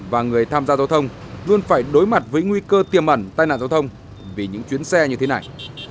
và người tham gia giao thông luôn phải đối mặt với nguy cơ tiềm ẩn tai nạn giao thông vì những chuyến xe như thế này